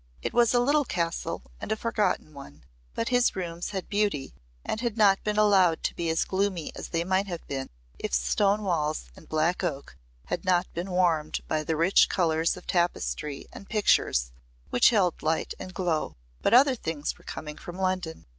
It was a little castle and a forgotten one, but his rooms had beauty and had not been allowed to be as gloomy as they might have been if stone walls and black oak had not been warmed by the rich colours of tapestry and pictures which held light and glow. But other things were coming from London.